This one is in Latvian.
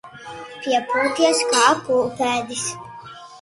Piepūties kā pūpēdis.